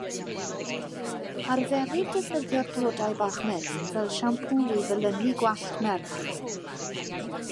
Arferid defnyddio'r blodau bach melyn fel siampŵ i felynu gwallt merch.